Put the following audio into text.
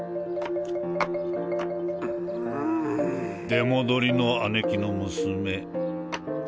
出戻りの姉貴の娘。